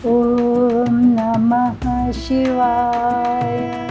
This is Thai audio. โอมนามังชิวาย